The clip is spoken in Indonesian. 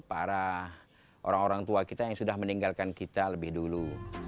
para orang orang tua kita yang sudah meninggalkan kita lebih dulu